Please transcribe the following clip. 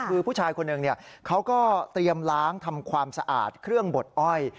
คือผู้ชายคนหนึ่งเขาก็เตรียมล้างทำความสะอาดเครื่องบดอ้อย